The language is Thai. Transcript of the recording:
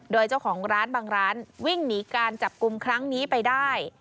โดยเจ้าของร้านบางร้านวิ่งหนีการจับกลุ่มครั้งนี้ไปได้